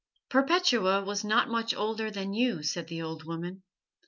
"Perpetua was not much older than you," said the old woman.